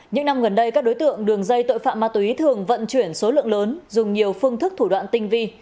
những năm gần đây các đối tượng đường dây tội phạm ma túy thường vận chuyển số lượng lớn dùng nhiều phương thức thủ đoạn tinh vi